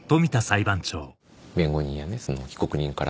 弁護人や被告人から